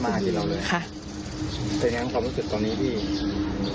ในสถานีวิคับความรู้สึกตอนนี้ดี